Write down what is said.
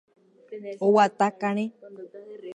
Oguata karẽ.